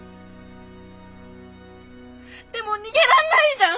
でも逃げらんないじゃん！